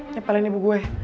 nyebelin ibu gue